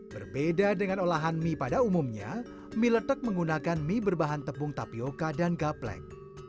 berbeda dengan olahan mie pada umumnya mie letek menggunakan mie berbahan tepung tapioca dan gaplek